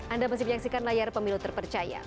anda masih menyaksikan layar pemilu terpercaya